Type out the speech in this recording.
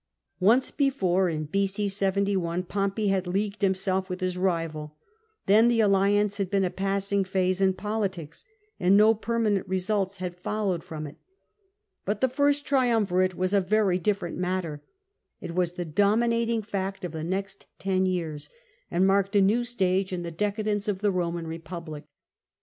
Once before, in b.o. 71, Pompey had leagued himself vith his rival; then the alliance had been a passing )hase in politics, and no permanent results had followed THE ''FIRST TRIUMVIRATE*^ 265 from it. But the " First Triumvirate was a very diflerent matter : it was the dominating fact of the next ten years, and maiked a new stage in the decadence of the Roman Republic.